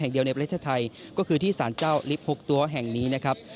เดียวในประเทศไทยก็คือที่สารเจ้าลิฟต์๖ตัวแห่งนี้นะครับ